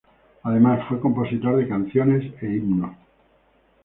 Además fue compositor de canciones e himnos.